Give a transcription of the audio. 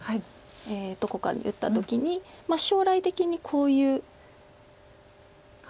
どこかに打った時に将来的にこういう手が。